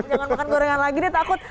tadi jangan makan gorengan lagi nih takut